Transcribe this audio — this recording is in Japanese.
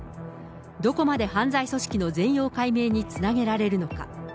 どこまで犯罪組織の全容解明につなげられるのか。